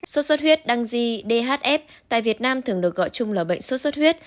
suốt suốt huyết đăng di dhf tại việt nam thường được gọi chung là bệnh suốt suốt huyết